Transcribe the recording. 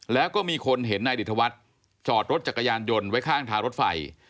แล้วก็มีคนเห็นนายดิตวัฒน์จอดรถจักรยานยนต์ไว้ข้างทางรถไฟ